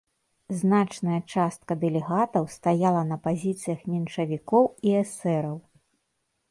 Значная частка дэлегатаў стаяла на пазіцыях меншавікоў і эсэраў.